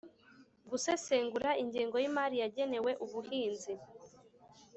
gusesengura ingengo y'imari yagenewe ubuhinzi